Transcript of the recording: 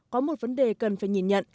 có một vấn đề cần phải nhìn nhận